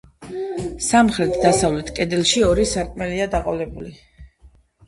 სამხრეთ-დასავლეთ კედელში ორი სარკმელია დაყოლებული.